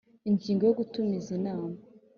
Ingingo yo Gutumiza inama